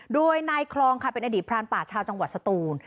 โดยนายคลองค่ะเป็นอดีตพรานป่าชาวจังหวัดสตูน